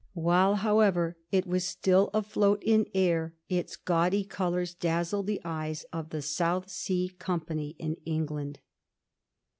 WHle, however, it was still afloat in air, its gaudy colours dazzled the eyes of the South Sea Company in England.